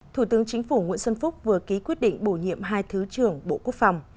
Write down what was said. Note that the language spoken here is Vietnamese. thủ tướng chính phủ nguyễn xuân phúc vừa ký quyết định bổ nhiệm hai thứ trưởng bộ quốc phòng